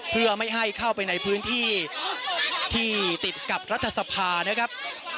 เพื่อไม่ให้เข้าไปในพื้นที่ที่ติดกับรัฐสภานะครับ